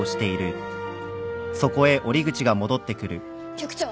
局長。